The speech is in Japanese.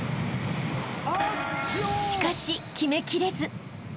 ［しかし決めきれず］